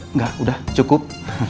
enggak udah cukup